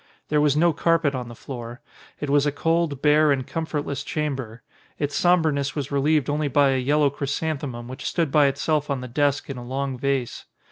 There was no carpet on the floor. It was a cold, bare, and comfortless chamber. Its sombreness was relieved only by a yellow chrysan themum which stood by itself on the desk in a long vase.